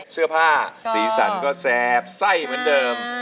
เสื้อผ้าสีสันก็แสบไส้เหมือนเดิม